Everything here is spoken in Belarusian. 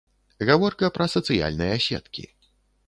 Гаворка пра сацыяльныя сеткі.